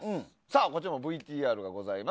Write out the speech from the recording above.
こちらもＶＴＲがございます。